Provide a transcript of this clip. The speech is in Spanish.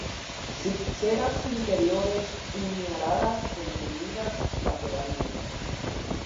Cipselas interiores uni-aladas comprimidas lateralmente.